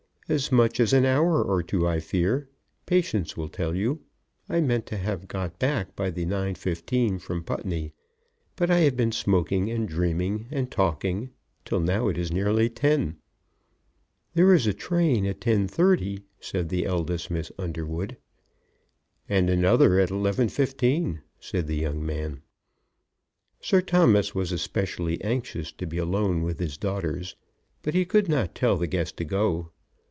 "As much as an hour or two, I fear. Patience will tell you. I meant to have got back by the 9.15 from Putney; but I have been smoking, and dreaming, and talking, till now it is nearly ten." "There is a train at 10.30," said the eldest Miss Underwood. "And another at 11.15," said the young man. Sir Thomas was especially anxious to be alone with his daughters, but he could not tell the guest to go.